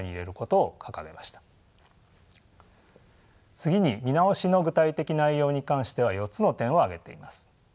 次に見直しの具体的内容に関しては４つの点を挙げています。